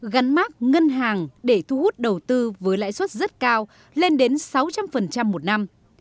gắn mát ngân hàng để thu hút đầu tư với lãi suất rất cao lên đến sáu trăm linh một năm